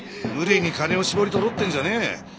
無理に金を絞り取ろうってんじゃねえ。